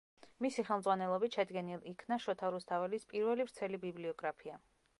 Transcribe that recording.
მისი ხელმძღვანელობით შედგენილ იქნა შოთა რუსთაველის პირველი ვრცელი ბიბლიოგრაფია.